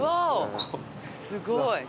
すごい。